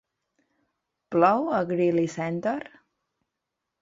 Plou al Greely Center?